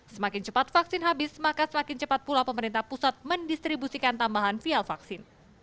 semakin cepat vaksin habis maka semakin cepat pula pemerintah pusat mendistribusikan tambahan vial vaksin